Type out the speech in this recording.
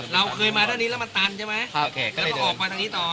เราเคยมาตามนี้แล้วมันตันใช่ไหม